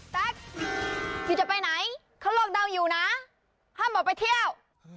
พี่จะไปไหนเขาล็อกดาวน์อยู่นะห้ามออกไปเที่ยว